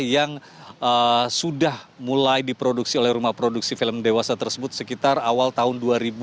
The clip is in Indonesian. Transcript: yang sudah mulai diproduksi oleh rumah produksi film dewasa tersebut sekitar awal tahun dua ribu dua puluh